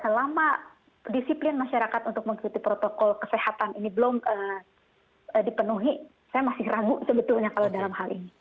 selama disiplin masyarakat untuk mengikuti protokol kesehatan ini belum dipenuhi saya masih ragu sebetulnya kalau dalam hal ini